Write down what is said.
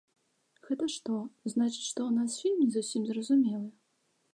Гэта што, значыць, што ў нас фільм не зусім зразумелы?